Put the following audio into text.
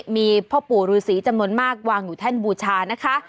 มีพ่อปู่ฤษีจำนวนมากวางอยู่แท่นบูชานะคะ